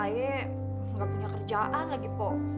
ae gak punya kerjaan lagi po